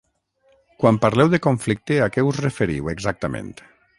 Quan parleu de conflicte a què us referiu, exactament?